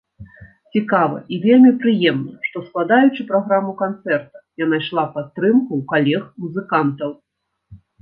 Цікава і вельмі прыемна, што, складаючы праграму канцэрта, я найшла падтрымку ў калег-музыкантаў.